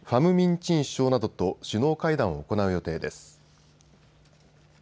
チン首相などと首脳会談を行う予定です。